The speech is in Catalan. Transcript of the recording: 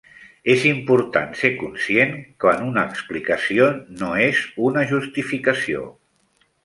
És important ser conscient quan una explicació "no" és una justificació.